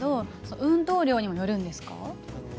運動量にもよりますか。